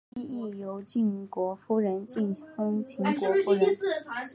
其妻亦由晋国夫人进封秦国夫人。